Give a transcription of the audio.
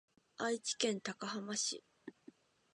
愛知県高浜市